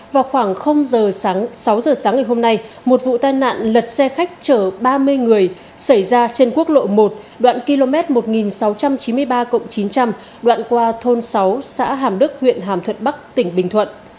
vào khoảng giờ sáng sáu giờ sáng ngày hôm nay một vụ tai nạn lật xe khách chở ba mươi người xảy ra trên quốc lộ một đoạn km một nghìn sáu trăm chín mươi ba chín trăm linh đoạn qua thôn sáu xã hàm đức huyện hàm thuận bắc tỉnh bình thuận